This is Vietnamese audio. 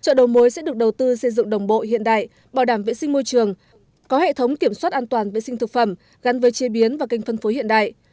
chợ đầu mối sẽ được đầu tư xây dựng đồng bộ hiện đại bảo đảm vệ sinh môi trường có hệ thống kiểm soát an toàn vệ sinh thực phẩm gắn với chế biến và kênh phân phối hiện đại